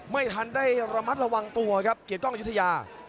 ไม่ทันได้ระมัดระวังตัวครับเกียรติกล้องอายุทยา